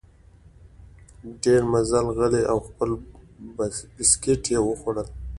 ډېر مزل غلی او خپل بسکیټ یې خوړل.